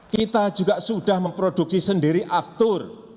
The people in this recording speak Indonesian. kita juga sudah memproduksi sendiri aftur